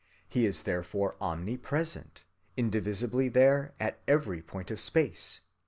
He is therefore omnipresent, indivisibly there, at every point of space.